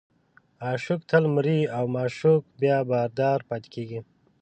عاشق تل مریی او معشوق بیا بادار پاتې کېږي.